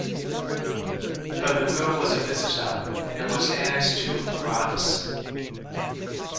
Balugo was a visita and it was annexed to Paranas.